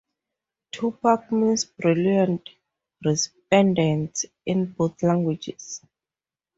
"Tupac" means "brilliant, resplendent" in both languages.